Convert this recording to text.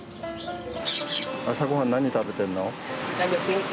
朝ごはん何食べてるの？